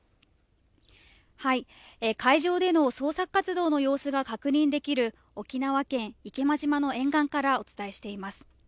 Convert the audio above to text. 海上での捜索活動の様子が確認できる沖縄県池間島の沿岸からお伝えしています。